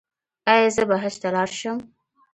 ایا زه به حج ته لاړ شم؟